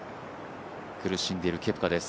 苦しんでいるケプカです。